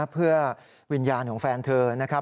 เพื่อวิญญาณของแฟนเธอนะครับ